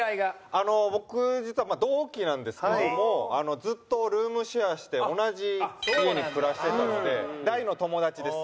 あの僕実は同期なんですけどもずっとルームシェアして同じ家に暮らしてたので大の友達です。